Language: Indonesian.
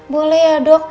boleh ya dok